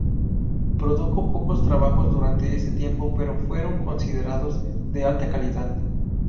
Produjo pocos trabajos durante ese tiempo, pero fueron considerados de alta calidad.